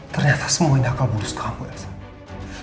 ternyata semua ini akal bodoh sekamu elsa